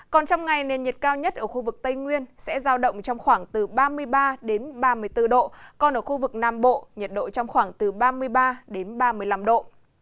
còn trong ngày nền nhiệt cao nhất ở khu vực tây nguyên sẽ giao động trong khoảng từ ba mươi ba đến ba mươi bốn độ còn ở khu vực nam bộ nhiệt độ trong khoảng từ ba mươi ba đến ba mươi năm độ